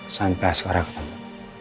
sampai askara ketemu